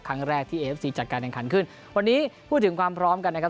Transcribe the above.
ครั้งแรกที่เอฟซีจัดการแข่งขันขึ้นวันนี้พูดถึงความพร้อมกันนะครับ